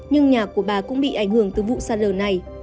nhưng nhà của bà cũng bị ảnh hưởng từ vụ xa lờ này